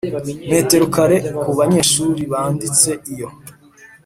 metero kare ku banyeshuri banditse Iyo